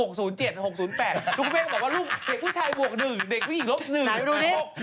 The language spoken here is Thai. คุณแม่ก็บอกว่าลูกเด็กผู้ชายบวก๑เด็กยิ่งลบ๑